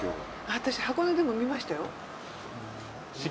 私箱根でも見ましたよ。